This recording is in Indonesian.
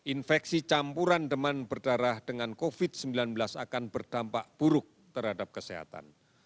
infeksi campuran demam berdarah dengan covid sembilan belas akan berdampak buruk terhadap kesehatan